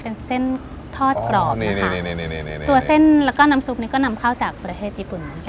เป็นเส้นทอดกรอบตัวเส้นแล้วก็น้ำซุปนี้ก็นำเข้าจากประเทศญี่ปุ่นมาค่ะ